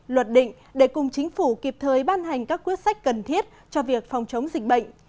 luật định để cùng chính phủ kịp thời ban hành các quyết sách cần thiết cho việc phòng chống dịch bệnh